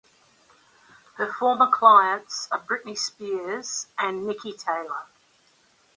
Her former clients are Britney Spears and Niki Taylor.